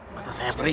mata saya perih